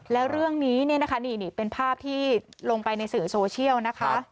แล้วเรื่องนี้เนี่ยนะคะนี่เป็นภาพที่ลงไปในสื่อโซเชียลนะคะ